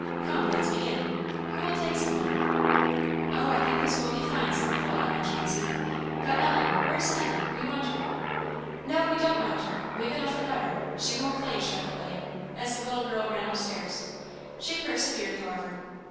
"Come! let's begin. Who'll take somebody?" "Oh, I think this will be fine!" said little Ellen Chauncey; "but, Ellen where's Ellen? we want her." "No we don't want her! we've enough without her she won't play!" shouted William, as the little girl ran upstairs. She persevered, however.